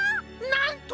なんと！